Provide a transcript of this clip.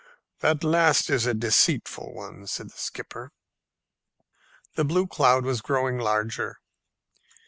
"That last is a deceitful one," said the skipper. The blue cloud was growing larger.